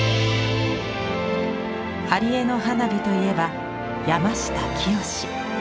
貼絵の花火といえば山下清。